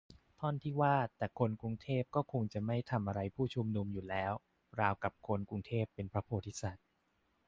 ท่อนที่ว่า "แต่คนกรุงเทพก็คงจะไม่ทำไรผู้ชุมนุมอยู่แล้ว" ราวกับคนกรุงเทพเป็นพระโพธิสัตว์